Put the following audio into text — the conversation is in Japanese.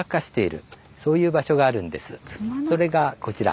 それがこちら。